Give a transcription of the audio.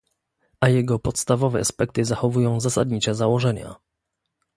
A jego podstawowe aspekty zachowują zasadnicze założenia